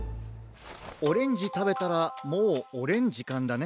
オレンジたべたらもうおれんじかんだね。